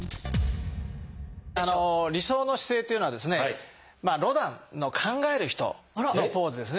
理想の姿勢というのはですねロダンの「考える人」のポーズですね。